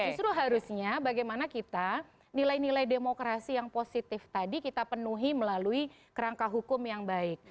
justru harusnya bagaimana kita nilai nilai demokrasi yang positif tadi kita penuhi melalui kerangka hukum yang baik